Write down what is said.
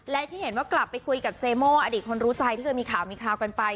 และที่เห็นว่ากลับไปคุยกับเจโม่อดีตคนรู้ใจที่เคยมีข่าวมีคราวกันไป